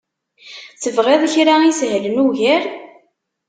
Tebɣiḍ kra isehlen ugar?